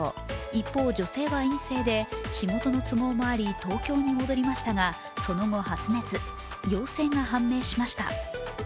一方、女性は陰性で仕事の都合もあり東京に戻りましたが、その後発熱陽性が判明しました。